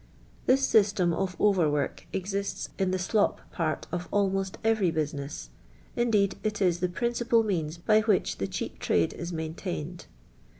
This .system of over work exists in the "slop" part of almost erery business — indeed, it is the principal means by which the choap trade is maintained.